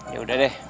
ya udah deh